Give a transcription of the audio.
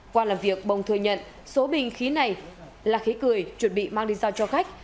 qua làm việc bồng thừa nhận số bình khí này là khí cười chuẩn bị mang đi giao cho khách